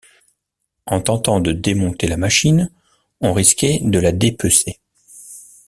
En tentant de démonter la machine, on risquait de la dépecer.